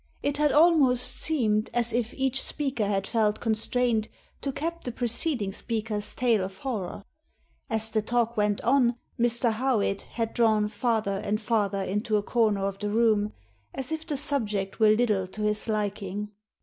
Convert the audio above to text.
It had almost seemed as if each speaker had felt constrained to cap the preceding speaker's tale of horror. As the talk went on, Mr. Howitt had drawn farther and farther into a comer of the room, as if the subject were little to his liking.